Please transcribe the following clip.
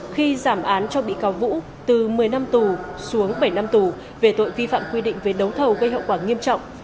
khi giảm án cho bị cáo vũ từ một mươi năm tù xuống bảy năm tù về tội vi phạm quy định về đấu thầu gây hậu quả nghiêm trọng